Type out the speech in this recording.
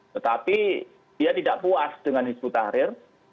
tetapi dia tidak puas dengan hizbut tahrir